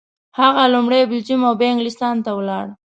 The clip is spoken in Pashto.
هغه لومړی بلجیم او بیا انګلستان ته ولاړ.